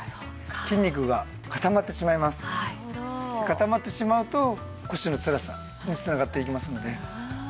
固まってしまうと腰のつらさに繋がっていきますので。